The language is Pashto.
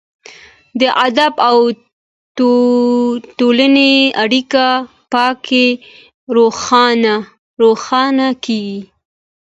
د ادب او ټولنې اړیکه پکې روښانه کیږي.